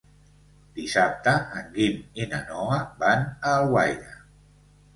Dissabte en Guim i na Noa van a Alguaire.